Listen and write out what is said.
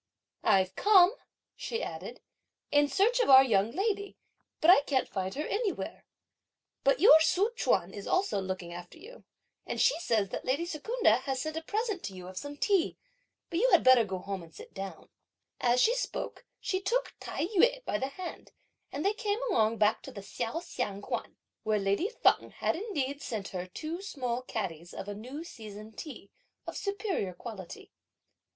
"I've come," she added, "in search of our young lady, but I can't find her anywhere. But your Tzu Chuan is also looking after you; and she says that lady Secunda has sent a present to you of some tea. But you had better go back home and sit down." As she spoke, she took Tai yü by the hand, and they came along back to the Hsiao Hsiang Kuan; where lady Feng had indeed sent her two small catties of a new season tea, of superior quality.